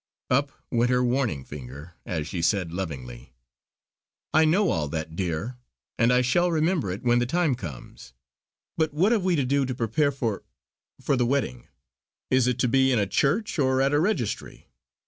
Up went her warning finger as she said lovingly: "I know all that dear; and I shall remember it when the time comes. But what have we to do to prepare for for the wedding. Is it to be in a church or at a registry.